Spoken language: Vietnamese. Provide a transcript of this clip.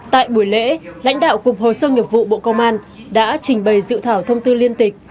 tại buổi lễ lãnh đạo cục hồ sơ nghiệp vụ bộ công an đã trình bày dự thảo thông tư liên tịch